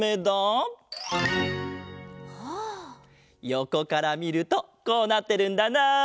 よこからみるとこうなってるんだな。